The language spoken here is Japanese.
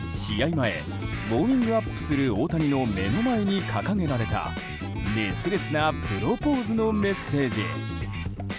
前ウォーミングアップする大谷の目の前に掲げられた熱烈なプロポーズのメッセージ。